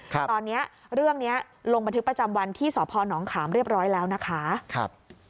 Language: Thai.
ตอนนี้เรื่องนี้ลงบันทึกประจำวันที่สพนขามเรียบร้อยแล้วนะคะครับ